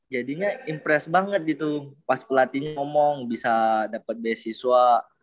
jadinya impres banget gitu pas pelatihnya omong bisa dapat beasiswa